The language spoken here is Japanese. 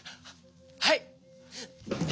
はい！